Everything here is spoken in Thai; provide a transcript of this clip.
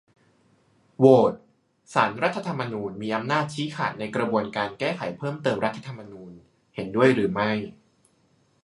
โหวต : ศาลรัฐธรรมนูญมีอำนาจชี้ขาดในกระบวนการแก้ไขเพิ่มเติมรัฐธรรมนูญ เห็นด้วยหรือไม่ ?